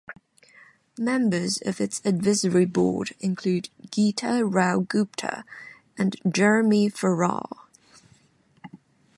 Members of its advisory board include Geeta Rao Gupta and Jeremy Farrar.